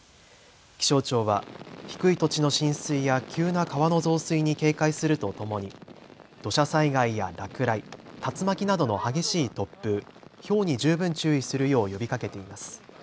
気象庁は低い土地の浸水や急な川の増水に警戒するとともに土砂災害や落雷、竜巻などの激しい突風、ひょうに十分注意するよう呼びかけています。